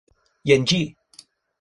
Jen ĝi